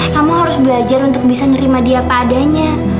kamu harus belajar untuk bisa nerima dia padanya